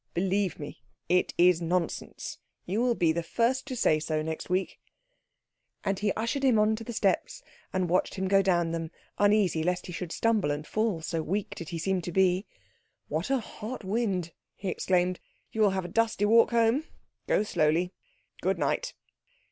Believe me, it is nonsense. You will be the first to say so next week." And he ushered him out to the steps, and watched him go down them, uneasy lest he should stumble and fall, so weak did he seem to be. "What a hot wind!" he exclaimed. "You will have a dusty walk home. Go slowly. Good night."